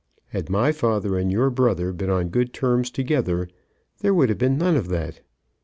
Had my father and your brother been on good terms together, there would have been none of that.